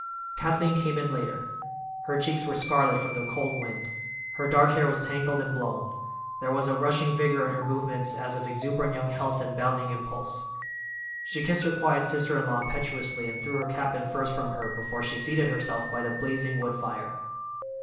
Kathleen came in later. Her cheeks were scarlet from the cold wind, her dark hair was tangled and blown, there was a rushing vigor in her movements as of exuberant young health and bounding impulse. She kissed her quiet sister in law impetuously and threw her cap and furs from her before she seated herself by the blazing wood fire.